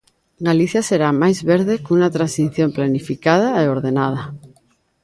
Galicia será máis verde cunha transición planificada e ordenada.